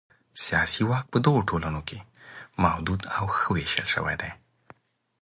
سیاسي واک په دغو ټولنو کې محدود او ښه وېشل شوی دی.